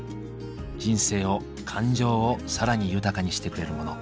人生を感情を更に豊かにしてくれるモノ。